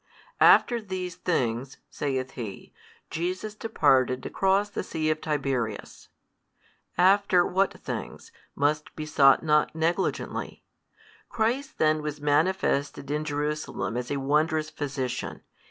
After these things (saith he) Jesus departed across the sea of Tiberias. After what things, must be sought not negligently. Christ then was manifested in Jerusalem as a wondrous Physician.